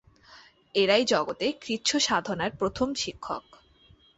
এরাই জগতে কৃচ্ছসাধনার প্রথম শিক্ষক।